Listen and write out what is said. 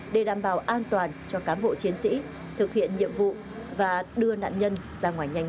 với kinh nghiệm đã có các cám bộ chuyên sĩ đã nhanh chóng xác định vị trí của các nạn nhân trong tòa nhà đổ sập